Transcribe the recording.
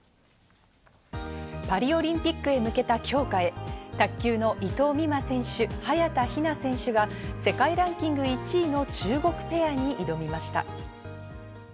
パリオリンピックへ向けた強化へ、卓球の伊藤美誠選手、早田ひな選手が世界ランキング１位の中国ペアに挑みました。